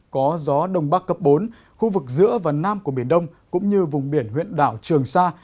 có gió đông bắc cấp bốn khu vực giữa và nam của biển đông cũng như vùng biển huyện đảo trường sa